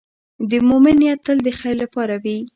د مؤمن نیت تل د خیر لپاره وي.